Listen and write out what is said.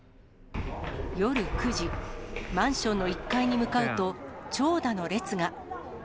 夜９時、マンションの１階に向かうと、長蛇の列が。